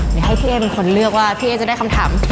เดี๋ยวให้พี่เอ๊เป็นคนเลือกว่าพี่เอ๊จะได้คำถาม